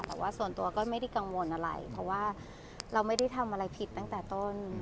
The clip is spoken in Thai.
แต่ว่าส่วนตัวก็ไม่ได้กังวลอะไรเพราะว่าเราไม่ได้ทำอะไรผิดตั้งแต่ต้น